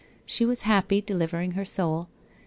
She was happy, delivering her soul.